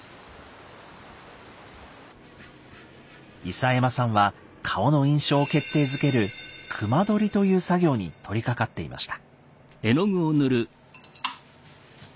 諫山さんは顔の印象を決定づける「隈取り」という作業に取りかかっていました。